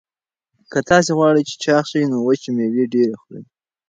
که تاسي غواړئ چې چاغ شئ نو وچې مېوې ډېرې خورئ.